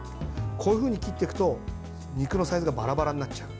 こういうふうに切っていくと肉のサイズがバラバラになっちゃう。